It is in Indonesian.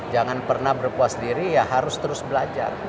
jangan pernah berpuas diri ya harus terus belajar